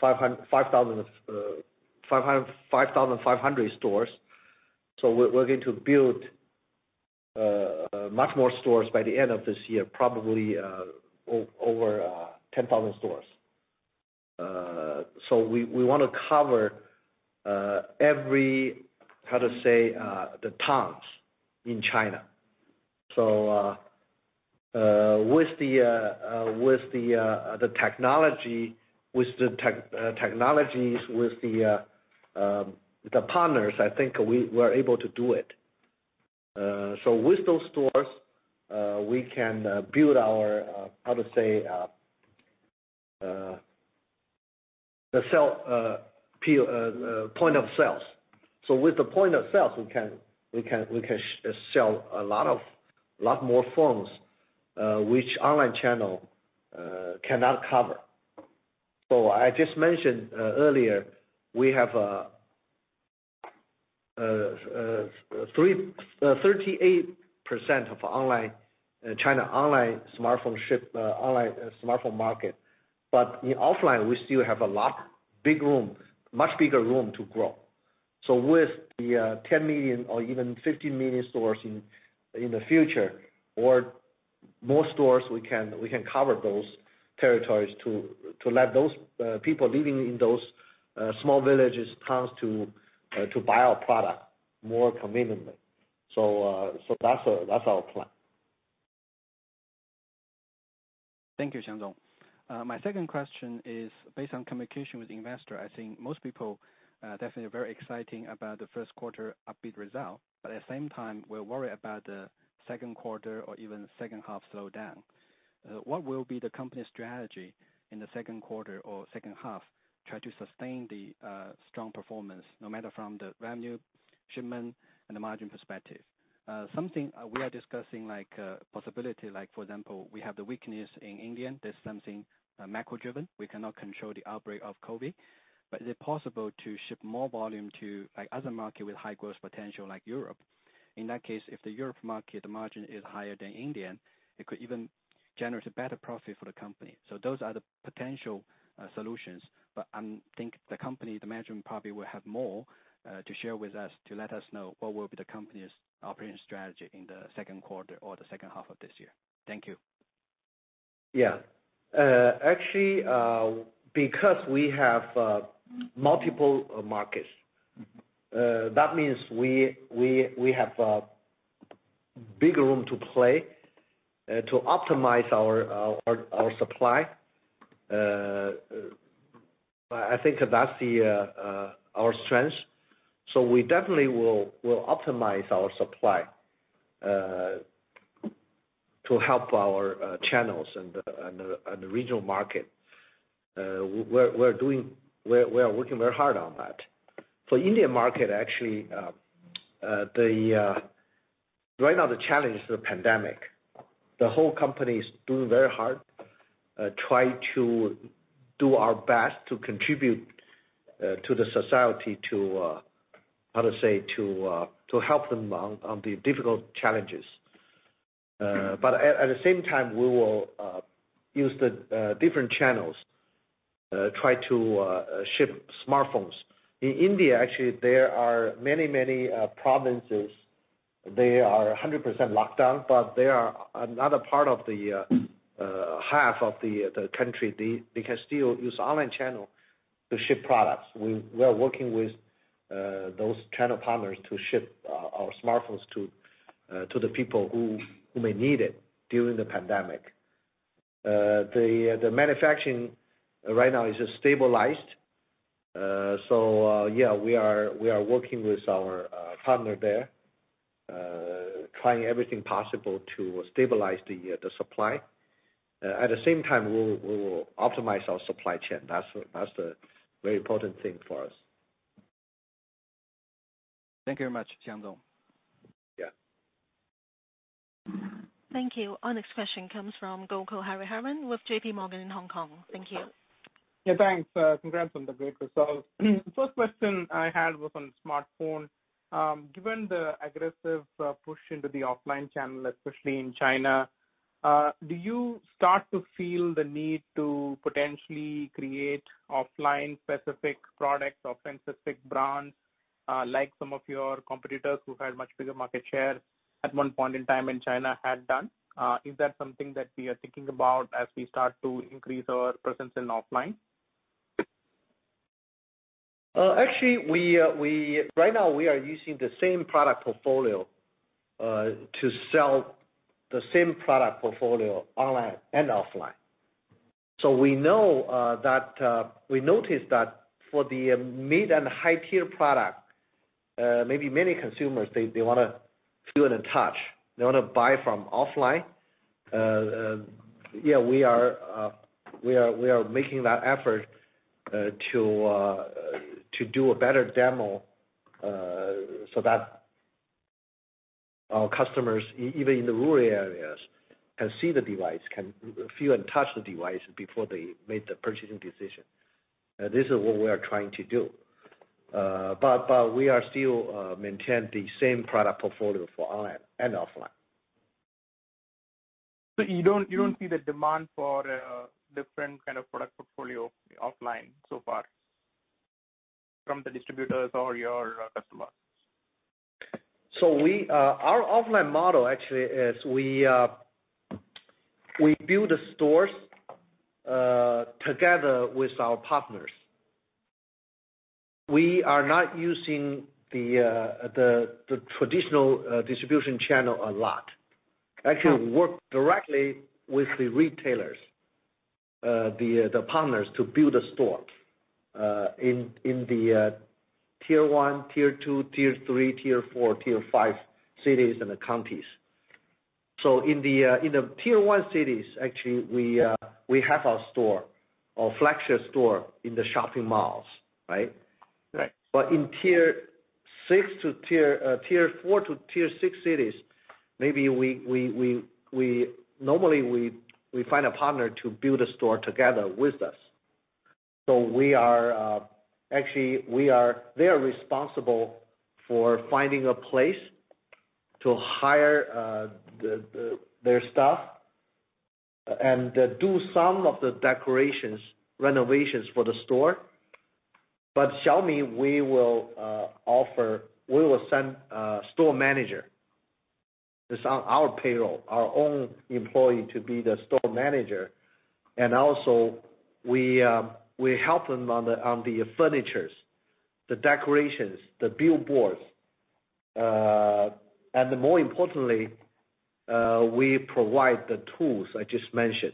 5,500 stores. We're going to build much more stores by the end of this year, probably over 10,000 stores. We want to cover every, how to say, town in China. With the technologies, with the partners, I think we're able to do it. With those stores, we can build our, how to say, point of sales. With the point of sales, we can sell a lot more phones, which online channel cannot cover. I just mentioned earlier, we have 38% of China online smartphone market. In offline, we still have a much bigger room to grow. With the 10 million or even 15 million stores in the future or more stores, we can cover those territories to let those people living in those small villages comes to buy our product more conveniently. That's our plan. Thank you, Wang Xiang. My second question is based on communication with investor. I think most people are definitely very excited about the first quarter upbeat result, but at the same time, we're worried about the second quarter or even second half slowdown. What will be the company's strategy in the second quarter or second half to try to sustain the strong performance, no matter from the revenue, shipment, and margin perspective? Something we are discussing, like possibility, for example, we have the weakness in India. That's something macro-driven. We cannot control the outbreak of COVID, but is it possible to ship more volume to other market with high growth potential like Europe? In that case, if the Europe market margin is higher than India, it could even generate a better profit for the company. Those are the potential solutions. I think the company management probably will have more to share with us to let us know what will be the company's operating strategy in the second quarter or the second half of this year. Thank you. Yeah. Actually, because we have multiple markets, that means we have a big room to play to optimize our supply. I think that's our strength. We definitely will optimize our supply to help our channels and the regional market. We are working very hard on that. For India market, actually, right now the challenge is the pandemic. The whole company is doing very hard, try to do our best to contribute to the society to, how to say, to help them on the difficult challenges. At the same time, we will use the different channels, try to ship smartphones. In India, actually, there are many, many provinces, they are 100% locked down, but they are another part of the half of the country. They can still use online channel to ship products. We are working with those channel partners to ship our smartphones to the people who may need it during the pandemic. The manufacturing right now is stabilized. Yeah, we are working with our partner there, trying everything possible to stabilize the supply. At the same time, we will optimize our supply chain. That's the very important thing for us. Thank you very much, Wang Xiang. Yeah. Thank you. Our next question comes from Gokul Hariharan with JPMorgan in Hong Kong. Thank you. Yeah, thanks. Congrats on the great results. The first question I had was on smartphone. Given the aggressive push into the offline channel, especially in China, do you start to feel the need to potentially create offline specific products or specific brands, like some of your competitors who had much bigger market share at one point in time in China had done? Is that something that we are thinking about as we start to increase our presence in offline? Actually, right now we are using the same product portfolio to sell the same product portfolio online and offline. We notice that for the mid and high-tier product, maybe many consumers, they want to feel and touch. They want to buy from offline. Yeah, we are making that effort to do a better demo, so that our customers, even in the rural areas, can see the device, can feel and touch the device before they make the purchasing decision. This is what we are trying to do. We are still maintaining the same product portfolio for online and offline. You don't see the demand for a different kind of product portfolio offline so far from the distributors or your customers? Our offline model actually is we build the stores together with our partners. We are not using the traditional distribution channel a lot. Actually, we work directly with the retailers, the partners, to build a store in the tier 1, tier 2, tier 3, tier 4, tier 5 cities and the counties. In the tier 1 cities, actually, we have our store, our flagship store in the shopping malls, right? Right. In tier 4 to tier 6 cities, normally we find a partner to build a store together with us. Actually, they are responsible for finding a place to hire their staff and do some of the decorations, renovations for the store. Xiaomi, we will send a store manager. It's on our payroll, our own employee to be the store manager. Also, we help them on the furnitures, the decorations, the billboards. More importantly, we provide the tools I just mentioned,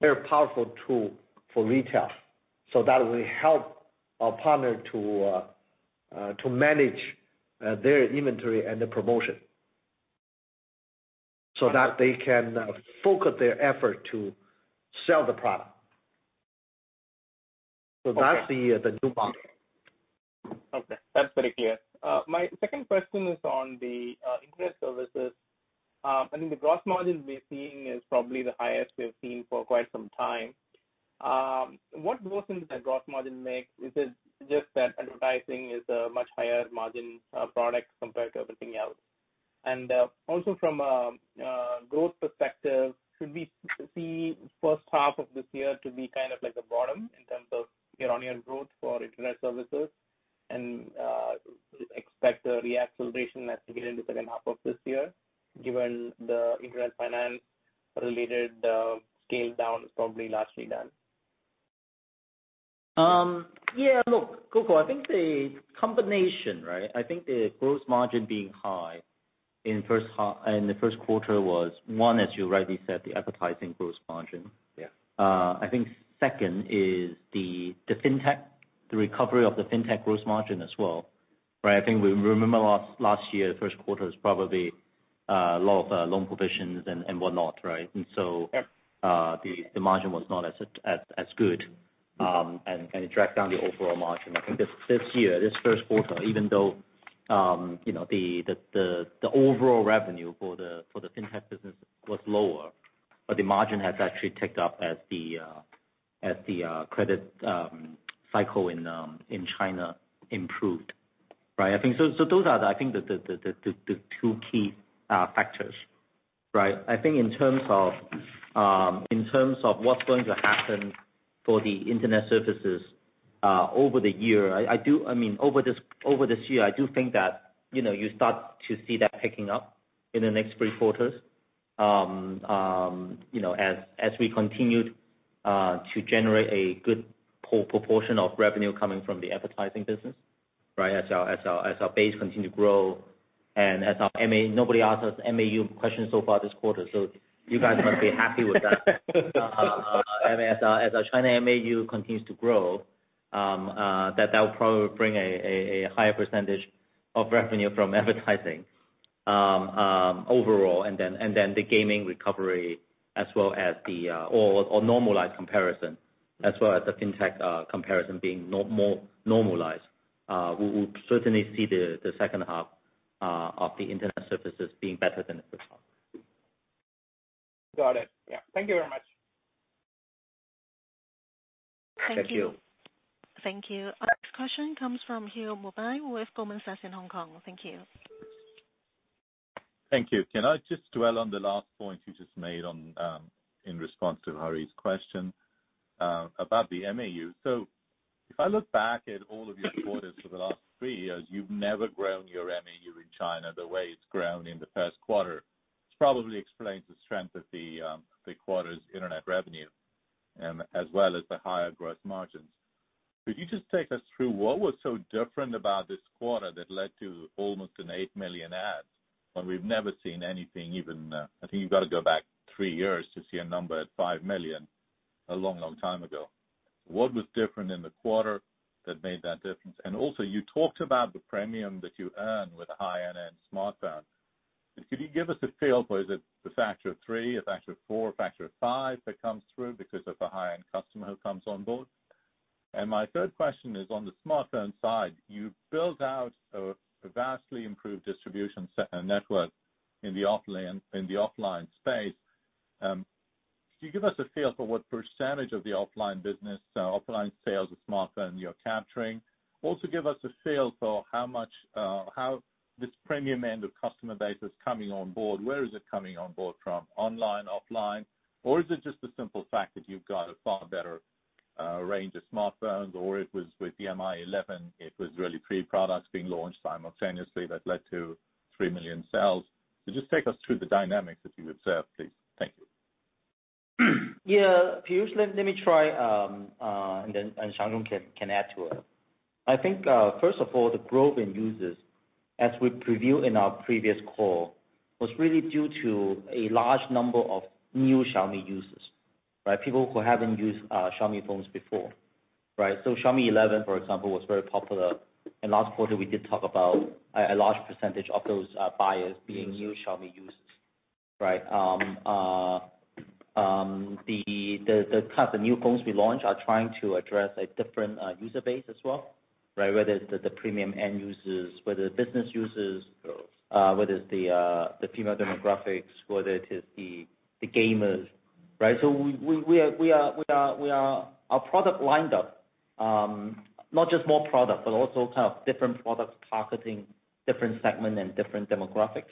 very powerful tool for retailers, so that will help our partner to manage their inventory and the promotion so that they can focus their effort to sell the product. That's the two parts. Okay. That's pretty clear. My second question is on the internet services. I think the gross margin we're seeing is probably the highest we've seen for quite some time. What movements that gross margin make? Is it just that advertising is a much higher margin product compared to everything else? From a growth perspective, should we see first half of this year to be kind of like a bottom in terms of year-on-year growth for internet services and expect a reacceleration as we get into the second half of this year, given the internet finance related scale down is probably largely done? Look, Gokul, I think the combination. I think the gross margin being high in the first quarter was, one, as you rightly said, the advertising gross margin. Yeah. Second is the recovery of the FinTech gross margin as well. We remember last year, the first quarter was probably a lot of loan provisions and whatnot, right? Yeah. The margin was not as good, and it dragged down the overall margin. I think this year, this first quarter, even though the overall revenue for the FinTech business was lower, the margin has actually ticked up as the credit cycle in China improved. Right. I think those are the two key factors. I think in terms of what's going to happen for the internet services over this year, I do think that you start to see that picking up in the next three quarters as we continue to generate a good proportion of revenue coming from the advertising business. As our base continues to grow and as our MAU-- Nobody asked us MAU question so far this quarter, you guys might be happy with that. As our China MAU continues to grow, that will probably bring a higher percentage of revenue from advertising overall, and then the gaming recovery or normalized comparison as well as the FinTech comparison being more normalized. We will certainly see the second half of the internet services being better than the first half. Got it. Yeah. Thank you very much. Thank you. Thank you. Thank you. Our next question comes from Timothy Zhao with Goldman Sachs in Hong Kong. Thank you. Thank you. Can I just dwell on the last point you just made in response to Hari's question about the MAU? If I look back at all of your quarters for the last three years, you've never grown your MAU in China the way it's grown in the first quarter. This probably explains the strength of the quarter's internet revenue as well as the higher gross margins. Could you just take us through what was so different about this quarter that led to almost 8 million adds when we've never seen anything even, I think you've got to go back three years to see a number at 5 million a long, long time ago. What was different in the quarter that made that difference? Also, you talked about the premium that you earn with high-end smartphones. Could you give us a feel for, is it a factor of three, a factor of four, a factor of five that comes through because of the high-end customer who comes on board? My third question is on the smartphone side. You've built out a vastly improved distribution network in the offline space. Could you give us a feel for what percentage of the offline business, offline sales of smartphone you're capturing? Give us a feel for how this premium end of customer base is coming on board. Where is it coming on board from? Online, offline, or is it just the simple fact that you've got a far better range of smartphones, or it was with the Mi 11, it was really three products being launched simultaneously that led to 3 million sales? Just take us through the dynamics, if you would, sir, please. Thank you. Yeah. Timothy, let me try, and then Xiang can add to it. I think first of all, the growth in users, as we previewed in our previous call, was really due to a large number of new Xiaomi users. People who haven't used Xiaomi phones before. Xiaomi 11, for example, was very popular. In last quarter, we did talk about a large percentage of those buyers being new Xiaomi users. The kind of new phones we launch are trying to address a different user base as well. Whether it's the premium end users, whether business users, whether it's the female demographics, whether it is the gamers. Our product lineup, not just more product, but also kind of different products targeting different segment and different demographics.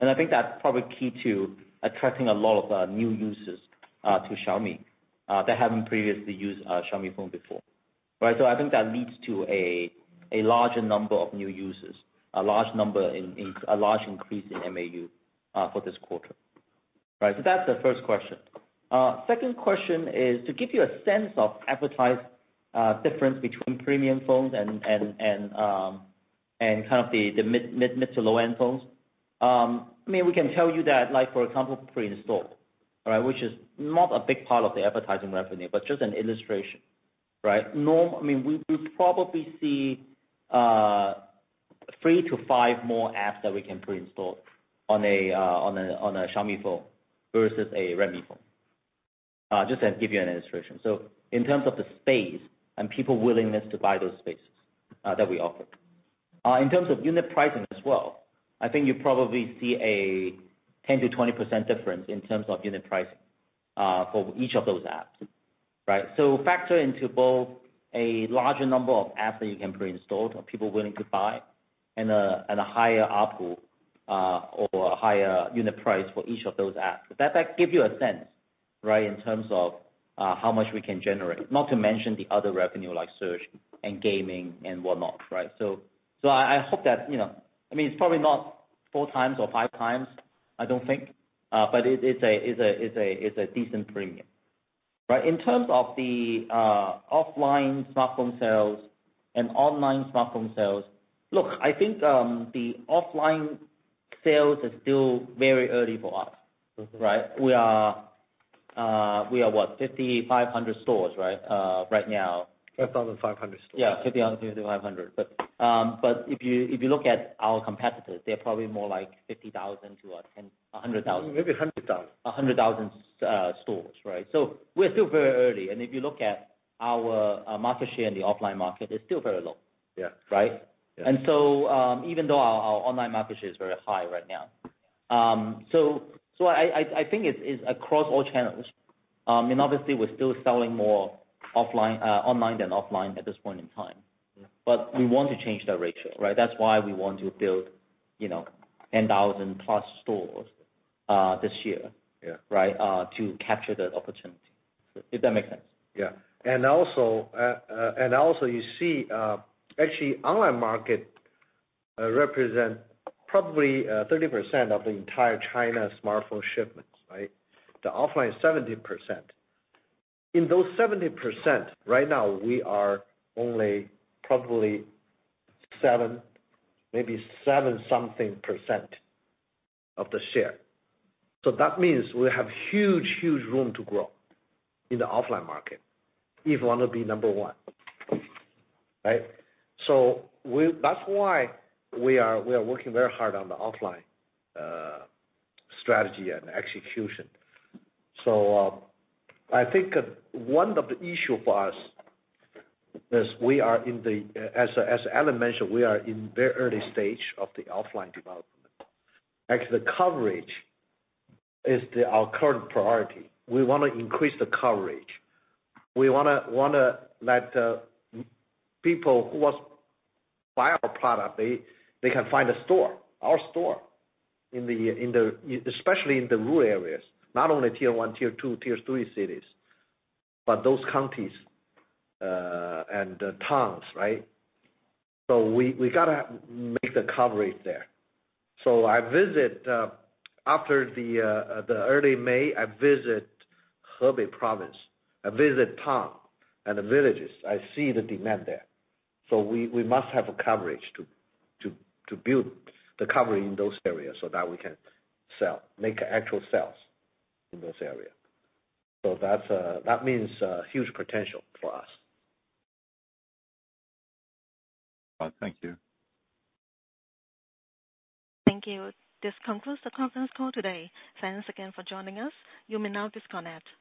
I think that's probably key to attracting a lot of new users to Xiaomi that haven't previously used a Xiaomi phone before. I think that leads to a larger number of new users, a large increase in MAU for this quarter. Right. That's the first question. Second question is to give you a sense of advertising difference between premium phones and the mid to low-end phones. We can tell you that, for example, pre-install, which is not a big part of the advertising revenue, but just an illustration. We probably see three to five more apps that we can pre-install on a Xiaomi phone versus a Redmi phone, just to give you an illustration. In terms of the space and people willingness to buy those spaces that we offer. In terms of unit pricing as well, I think you probably see a 10%-20% difference in terms of unit pricing for each of those apps. Factor into both a larger number of apps that you can pre-install that people are willing to buy and a higher ARPU or a higher unit price for each of those apps. That gives you a sense in terms of how much we can generate. Not to mention the other revenue like search and gaming and whatnot. I hope that, probably not 4x or 5x, I don't think, but it's a decent premium. In terms of the offline smartphone sales and online smartphone sales, look, I think the offline sales is still very early for us. We are what, 5,500 stores right now? 5,500 stores. Yeah, 5,500. If you look at our competitors, they're probably more like 50,000 to 100,000. Maybe 100,000. 100,000 stores. We're still very early. If you look at our market share in the offline market, it's still very low. Yeah. Right? Yeah. Even though our online market share is very high right now. I think it's across all channels. Obviously, we're still selling more online than offline at this point in time, but we want to change that ratio. That's why we want to build 10,000+ stores this year. Yeah. To capture that opportunity. Did that make sense? Also, you see, actually online market represent probably 30% of the entire China smartphone shipments. The offline is 70%. In those 70%, right now we are only probably seven, maybe seven something% of the share. That means we have huge room to grow in the offline market if we want to be number one. That's why we are working very hard on the offline strategy and execution. I think one of the issue for us is we are in the, as Alain Lam mentioned, we are in very early stage of the offline development. Actually, the coverage is our current priority. We want to increase the coverage. We want to let the people who want to buy our product, they can find a store, our store, especially in the rural areas, not only tier 1, tier 2, tier 3 cities, but those counties and the towns. We got to make the coverage there. After the early May, I visit Hubei province. I visit town and the villages. I see the demand there. We must have a coverage to build the cover in those areas so that we can make actual sales in those areas. That means huge potential for us. Thank you. Thank you. This concludes the conference call today. Thanks again for joining us. You may now disconnect.